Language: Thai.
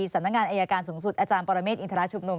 สำนักงานไอยาการสูงสุดอปรเมฆอินทรชุบหนุ่ม